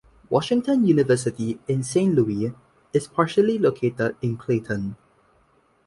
Washington University in Saint Louis is partially located in Clayton.